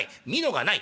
蓑がない。